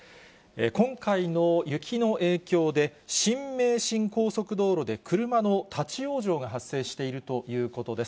今回の雪の影響で、新名神高速道路で車の立往生が発生しているということです。